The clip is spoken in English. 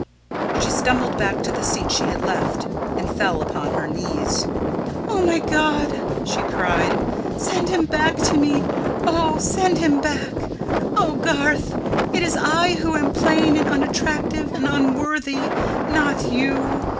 She stumbled back to the seat she had left, and fell upon her knees. "O, my God," she cried, "send him back to me, oh, send him back! ... Oh, Garth! It is I who am plain and unattractive and unworthy, not you.